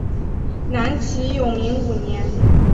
南齐永明五年。